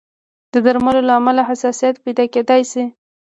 د درملو له امله حساسیت پیدا کېدای شي.